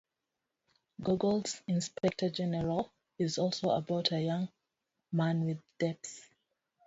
Gogol's "Inspector General" is also about a young man with debts.